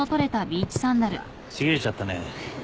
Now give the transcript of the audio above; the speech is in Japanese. ちぎれちゃったね。